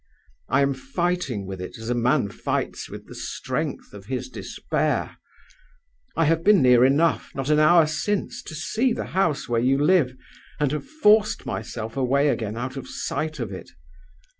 I am fighting with it as a man fights with the strength of his despair. I have been near enough, not an hour since, to see the house where you live, and have forced myself away again out of sight of it.